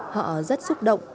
họ rất xúc động